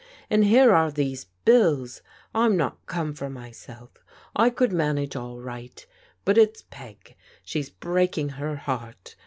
And here are these bills. I'm not come for myself, I could manage all right ; but it's Peg: she's breaking her heart.